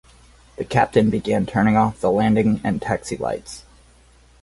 The captain began turning off the landing and taxi lights.